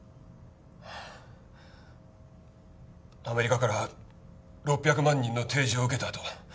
はあアメリカから６００万人の提示を受けたあと